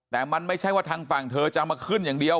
แต่มันไม่ใช่ว่าทางฝั่งเธอจะเอามาขึ้นอย่างเดียว